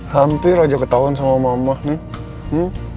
hampir aja ketahuan sama mama nih